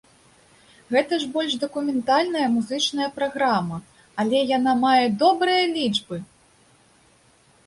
Гэта ж больш дакументальная музычная праграма, але яна мае добрыя лічбы!